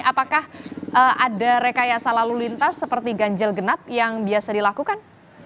apakah ada rekayasa lalu lintas seperti ganjil genap yang biasa dilakukan